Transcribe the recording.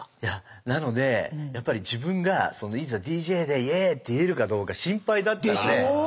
なのでやっぱり自分がいざＤＪで「イェー」って言えるかどうか心配だったんで。でしょ？